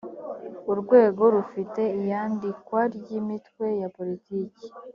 urwego rufite iyandikwa ry’imitwe ya politiki